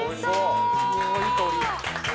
いい香り。